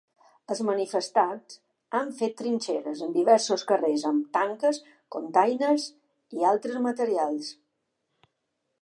Els manifestants han fet trinxeres en diversos carrers amb tanques, containers i altres materials.